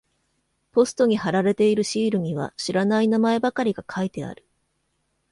ポストに貼られているシールには知らない名前ばかりが書いてある。